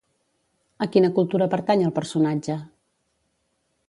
A quina cultura pertany el personatge?